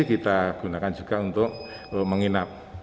kita gunakan juga untuk menginap